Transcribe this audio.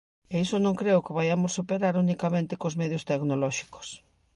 E iso non creo que o vaiamos superar unicamente cos medios tecnolóxicos.